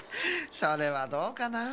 それはどうかなあ。